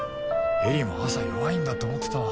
絵里も朝弱いんだと思ってたわ。